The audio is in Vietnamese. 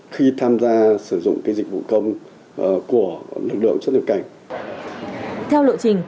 khi tham gia sử dụng dịch vụ công trực tuyến